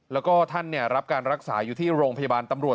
แล้วก็ท่านรับการรักษาอยู่ที่โรงพยาบาลตำรวจ